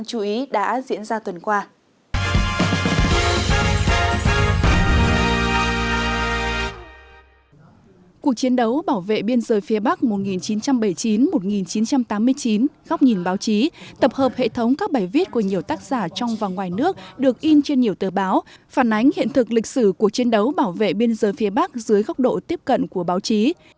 cuộc chiến đấu bảo vệ biên giới phía bắc một nghìn chín trăm bảy mươi chín một nghìn chín trăm tám mươi chín góc nhìn báo chí tập hợp hệ thống các bài viết của nhiều tác giả trong và ngoài nước được in trên nhiều tờ báo phản ánh hiện thực lịch sử cuộc chiến đấu bảo vệ biên giới phía bắc dưới góc độ tiếp cận của báo chí